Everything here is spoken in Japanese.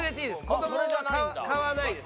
子供は買わないです。